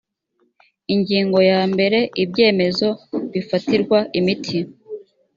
ingingo yambere ibyemezo bifatirwa imiti